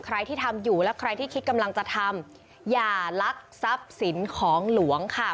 ใครที่ทำอยู่และใครที่คิดกำลังจะทำอย่าลักทรัพย์สินของหลวงค่ะ